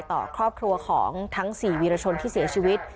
ต่อครอบครัวของทั้ง๔วีรชนที่เสียชีวิต